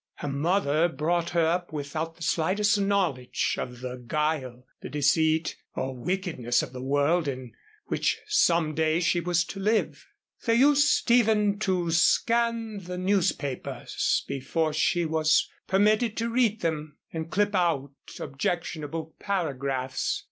Her mother brought her up without the slightest knowledge of the guile, the deceit, or wickedness of the world in which some day she was to live. They used even to scan the newspapers before she was permitted to read them, and clip out objectionable paragraphs.